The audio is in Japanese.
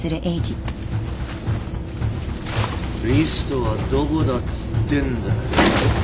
リストはどこだっつってんだよ